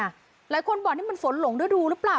หลายคนบอกนี่มันฝนหลงฤดูหรือเปล่า